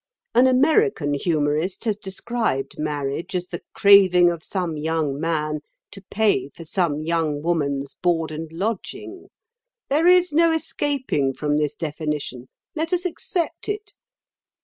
An American humorist has described marriage as the craving of some young man to pay for some young woman's board and lodging. There is no escaping from this definition; let us accept it.